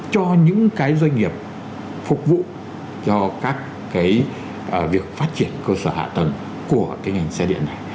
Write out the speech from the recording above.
cho những cái doanh nghiệp phục vụ cho các cái việc phát triển cơ sở hạ tầng của cái ngành xe điện này